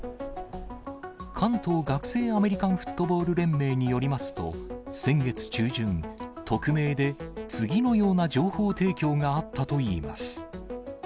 関東学生アメリカンフットボール連盟によりますと、先月中旬、匿名で次のような情報提供があったといいます。